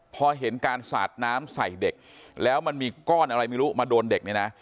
พอเห็นการสาดน้ำใส่เด็กแล้วมันมีก้อนอะไรไม่รู้มาโดนเด็กเนี่ยนะ